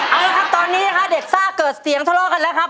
เอาละครับตอนนี้นะคะเด็กซ่าเกิดเสียงทะเลาะกันแล้วครับ